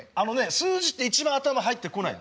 数字って一番頭に入ってこないの。